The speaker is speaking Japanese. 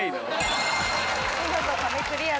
見事壁クリアです。